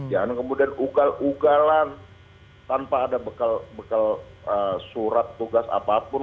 yang kemudian ugal ugalan tanpa ada bekal surat tugas apapun